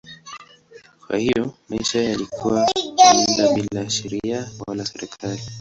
Kwa hiyo maisha yalikuwa kwa muda bila sheria wala serikali.